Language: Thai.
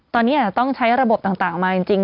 ตอนนี้อาจจะต้องใช้ระบบต่างมาจริง